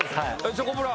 チョコプラ。